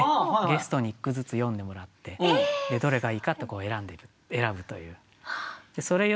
ゲストに一句ずつ詠んでもらってどれがいいかって選ぶという。